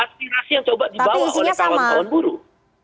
aspirasi yang coba dibawa oleh kawan kawan buruh